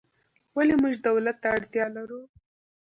ولې موږ دولت ته اړتیا لرو؟